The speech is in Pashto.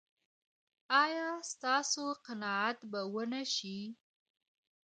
ایا ستاسو قناعت به و نه شي؟